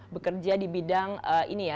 bekerja di bidang ini ya